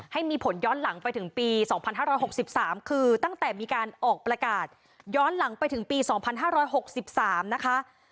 ให้มีผลย้อนหลังไปถึงปี๒๕๖๓คือตั้งแต่มีการออกประกาศย้อนหลังไปถึงปี๒๕๖๓นะคะ